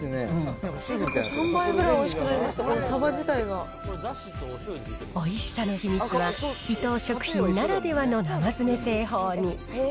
３倍ぐらいおいしくなりましおいしさの秘密は、伊藤食品ならではの生詰製法に。